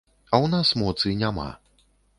А ў нас моцы няма.